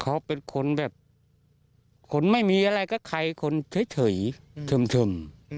เขาเป็นคนแบบคนไม่มีอะไรกับใครคนเฉยเทิม